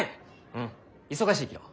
うん忙しいきの。